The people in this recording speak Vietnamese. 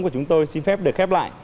của chúng tôi xin phép được khép lại